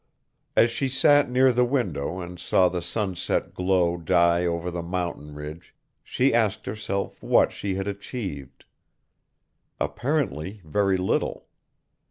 As she sat near the window and saw the sunset glow die over the mountain ridge she asked herself what she had achieved. Apparently very little.